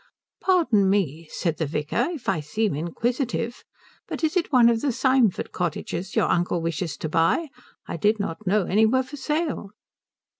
"Pardon me," said the vicar, "if I seem inquisitive, but is it one of the Symford cottages your uncle wishes to buy? I did not know any were for sale."